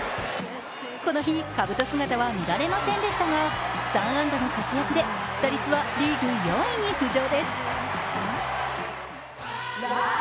この日かぶと姿は見られませんでしたが３安打の活躍で打率はリーグ４位に浮上です。